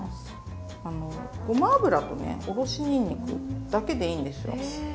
ごま油とねおろしにんにくだけでいいんですよ。